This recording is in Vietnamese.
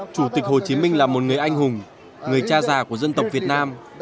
chủ tịch hồ chí minh là một người anh hùng người cha già của dân tộc việt nam